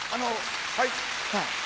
はい！